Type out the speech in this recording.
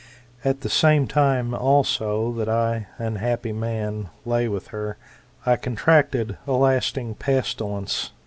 At the same time also, that I, unhappy man, lay with her, I contracted a lasting pestilence [viz.